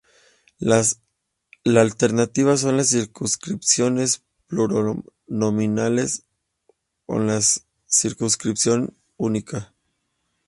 La alternativa son las circunscripciones plurinominales, o la circunscripción única.